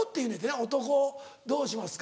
「お床どうしますか」